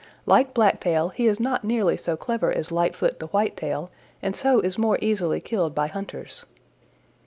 Like Blacktail he is not nearly so clever as Lightfoot the White tail and so is more easily killed by hunters.